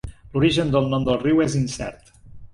L'origen del nom del riu és incert.